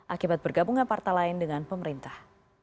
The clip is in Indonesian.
akibat bergabungan partai lain dengan pemerintah